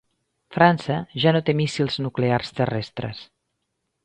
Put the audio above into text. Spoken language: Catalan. França ja no té míssils nuclears terrestres.